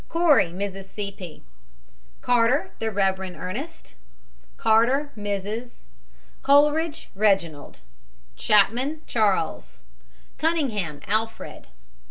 COREY, MRS. C. P. CARTER, THE REV. ERNEST. CARTER, MRS. COLERIDGE, REGINALD, CHAPMAN, CHARLES. CUNNINGHAM, ALFRED.